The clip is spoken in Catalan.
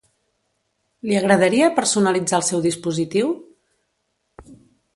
Li agradaria personalitzar el seu dispositiu?